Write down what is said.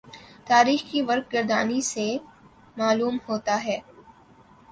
تاریخ کی ورق گردانی سے معلوم ہوتا ہے